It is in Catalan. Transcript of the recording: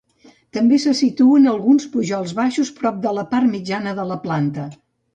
També se situen alguns pujols baixos prop de la part mitjana de la planta.